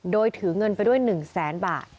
โดยถือเงินไปด้วย๑แสนบาท